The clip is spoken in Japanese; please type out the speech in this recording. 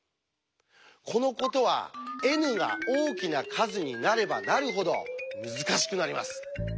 このことはＮが大きな数になればなるほど難しくなります。